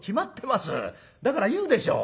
だから言うでしょう？